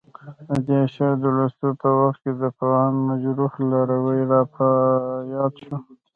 د دې شعر د لوستو په وخت د پوهاند مجروح لاروی راپه یاد شو.